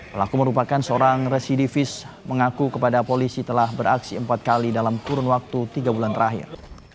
pelaku merupakan seorang residivis mengaku kepada polisi telah beraksi empat kali dalam kurun waktu tiga bulan terakhir